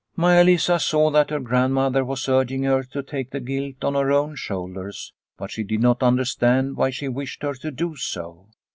Maia Lisa saw that her grandmother was urg ing her to take the guilt on her own shoulders, but she did not understand why she wished her to do so.